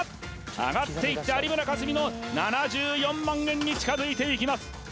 上がっていって有村架純の７４万円に近づいていきます